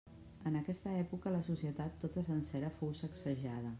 En aquesta època, la societat tota sencera fou sacsejada.